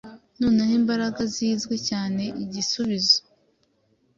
Noneho imbaraga-zizwi cyane igisubizo